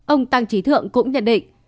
ông tăng trí thượng cũng nhận định